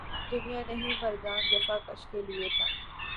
دنیا نہیں مردان جفاکش کے لیے تنگ